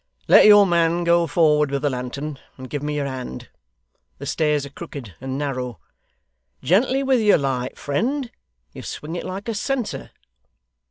'Let your man go forward with the lantern, and give me your hand. The stairs are crooked and narrow. Gently with your light, friend. You swing it like a censer.